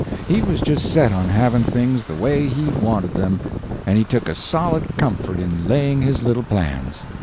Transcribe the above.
He was just set on having things the way he wanted them, and he took a solid comfort in laying his little plans.